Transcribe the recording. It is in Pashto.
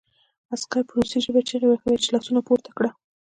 عسکر په روسي ژبه چیغې وهلې چې لاسونه پورته کړه